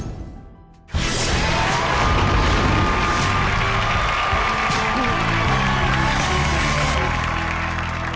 สวัสดีครับ